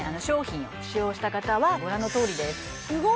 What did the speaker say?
商品を使用した方はご覧のとおりです